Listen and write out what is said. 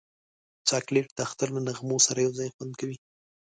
چاکلېټ د اختر له نغمو سره یو ځای خوند کوي.